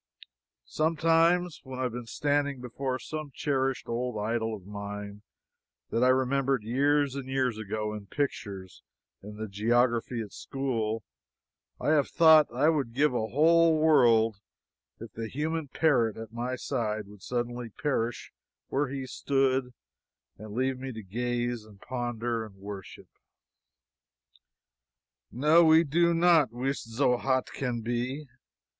Sometimes when I have been standing before some cherished old idol of mine that I remembered years and years ago in pictures in the geography at school, I have thought I would give a whole world if the human parrot at my side would suddenly perish where he stood and leave me to gaze, and ponder, and worship. No, we did not "wis zo haut can be."